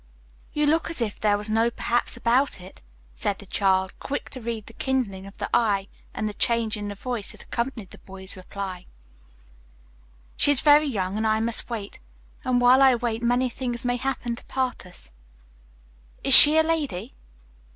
"You look as if there was no 'perhaps' about it," said the child, quick to read the kindling of the eye and the change in the voice that accompanied the boy's reply. "She is very young and I must wait, and while I wait many things may happen to part us." "Is she a lady?"